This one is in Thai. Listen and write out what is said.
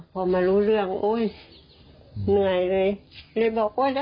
พอมารู้เรื่องโอ๊ยเหนื่อยเลย